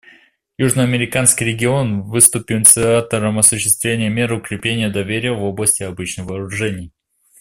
Южноамериканский регион выступил инициатором осуществления мер укрепления доверия в области обычных вооружений.